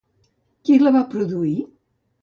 Qui la va produir?